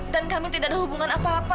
dan kami tidak ada hubungan apa apa